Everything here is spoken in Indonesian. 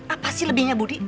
apa sih lebihnya budi